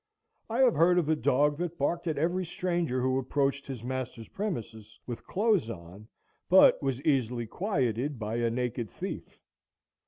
I have heard of a dog that barked at every stranger who approached his master's premises with clothes on, but was easily quieted by a naked thief.